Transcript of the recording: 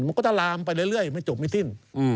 มันก็จะลามไปเรื่อยไม่จบไม่สิ้น